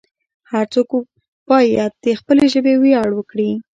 هر څوک باید د خپلې ژبې ویاړ وکړي.